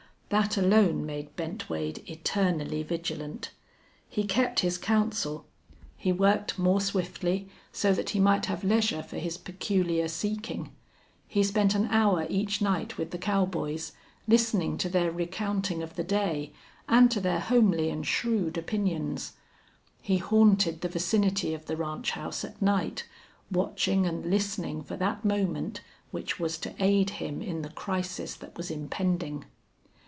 That alone made Bent Wade eternally vigilant. He kept his counsel. He worked more swiftly, so that he might have leisure for his peculiar seeking. He spent an hour each night with the cowboys, listening to their recounting of the day and to their homely and shrewd opinions. He haunted the vicinity of the ranch house at night, watching and listening for that moment which was to aid him in the crisis that was impending.